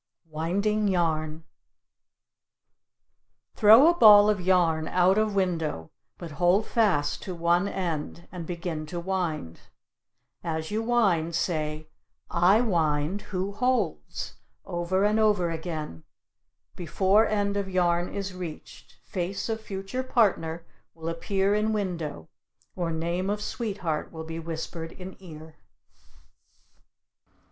WINDING YARN Throw a ball of yarn out of window but hold fast to one end and begin to wind. As you wind say, "I wind, who holds?" over and over again; before end of yarn is reached, face of future partner will appear in window, or name of sweetheart will be whispered in ear.